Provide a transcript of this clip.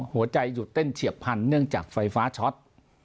หัวใจหยุดเต้นเฉียบพันเนื่องจากไฟฟ้าช็อต